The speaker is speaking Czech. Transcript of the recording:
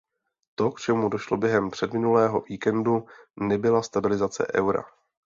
To, k čemu došlo během předminulého víkendu, nebyla stabilizace eura.